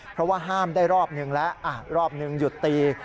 เพราะว่าห้ามได้รอบนึงแล้วรอบหนึ่งหยุดตี